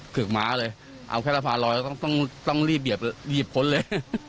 กฎม้าเลยแค่ระพานเลยต้องหยิบค้นเลย